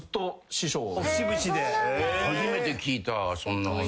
初めて聞いたそんな話。